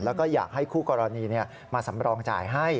แล้วก็อยากให้คู่กรณีมาสำรองจ่ายให้